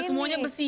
dan semuanya besi